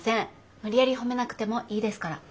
無理やり褒めなくてもいいですから。